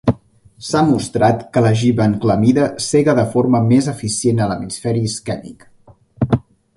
S'ha mostrat que la glibenclamida cega de forma més eficient a l'hemisferi isquèmic.